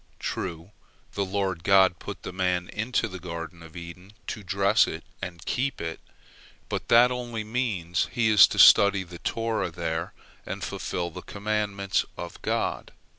True, the Lord God put the man into the Garden of Eden to dress it and to keep it, but that only means he is to study the Torah there and fulfil the commandments of God.